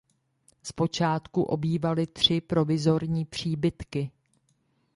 Zpočátku obývali tři provizorní příbytky.